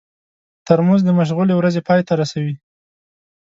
ترموز د مشغولې ورځې پای ته رسوي.